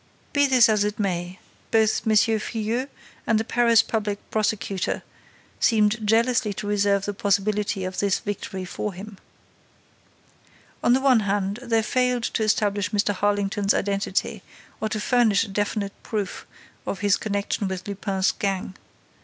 Be this as it may, both M. Filleul and the Paris public prosecutor seemed jealously to reserve the possibility of this victory for him. On the one hand, they failed to establish Mr. Harlington's identity or to furnish a definite proof of his connection with Lupin's gang.